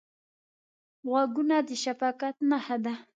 غوږونه د شفقت نښه ده